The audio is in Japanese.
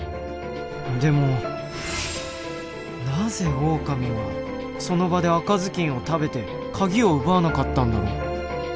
でもなぜオオカミはその場で赤ずきんを食べてカギを奪わなかったんだろう。